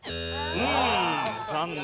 うーん残念。